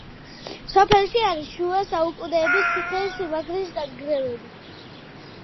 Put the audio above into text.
სოფელში არის შუა საუკუნეების ციხე-სიმაგრის ნანგრევები.